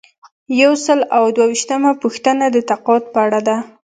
یو سل او دوه ویشتمه پوښتنه د تقاعد په اړه ده.